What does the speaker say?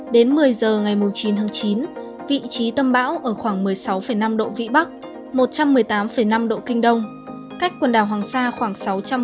đến một mươi giờ ngày chín tháng chín vị trí tâm bão ở khoảng một mươi sáu năm độ vĩ bắc một trăm một mươi tám năm độ kinh đông cách quần đảo hoàng sa khoảng sáu trăm bốn mươi km về phía đông